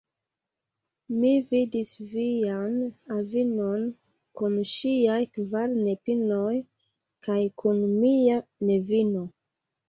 Mi vidis vian avinon kun ŝiaj kvar nepinoj kaj kun mia nevino.